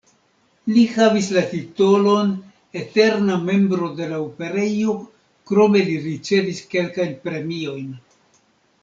Li havis la titolon "eterna membro de la Operejo", krome li ricevis kelkajn premiojn.